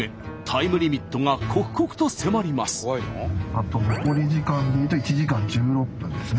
あと残り時間でいうと１時間１６分ですね。